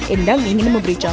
endang ingin memberikan kebaikan